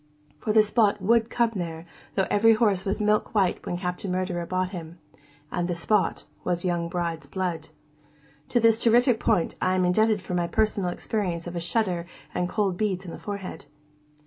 For, the spot would come there, though every horse was milk white when Captain Murderer bought him. And the spot was young bride's blood. (To this terrific point I am indebted for my first personal experience of a shudder and cold beads on the forehead.)